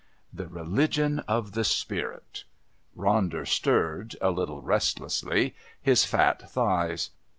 The religion of the spirit! Ronder stirred, a little restlessly, his fat thighs.